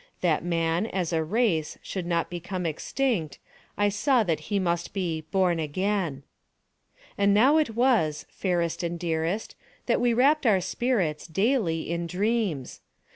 That man, as a race, should not become extinct, I saw that he must be "born again." And now it was, fairest and dearest, that we wrapped our spirits, daily, in dreams.